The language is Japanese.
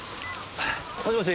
もしもし？